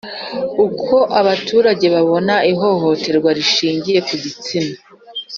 Uko abaturage babona ihohoterwa rishingiye ku gitsina